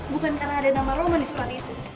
bukan karena ada nama roman di surat itu